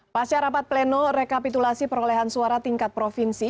pasca rapat pleno rekapitulasi perolehan suara tingkat provinsi